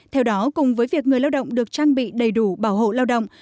theo đó cùng với việc người lao động được trang bị đầy đủ bảo hộ lao động